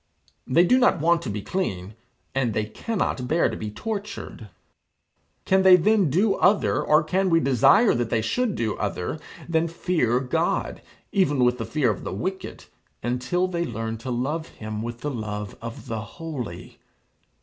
They do not want to be clean, and they cannot bear to be tortured. Can they then do other, or can we desire that they should do other, than fear God, even with the fear of the wicked, until they learn to love him with the love of the holy.